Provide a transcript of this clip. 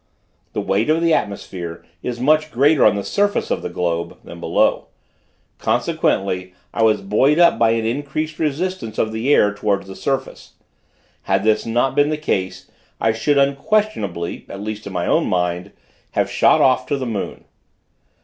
The weight of the atmosphere is much greater on the surface of the globe, than below; consequently I was buoyed up by the increasing resistance of the air towards the surface. Had this not been the case, I should, unquestionably, at least in my own mind, have shot off to the moon.